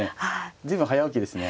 随分早起きですね。